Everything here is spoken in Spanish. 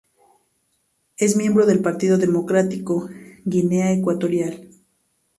Es miembro del Partido Democrático de Guinea Ecuatorial.